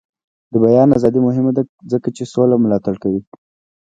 د بیان ازادي مهمه ده ځکه چې سوله ملاتړ کوي.